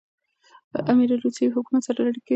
امیر له روسي حکومت سره اړیکي ونیولې.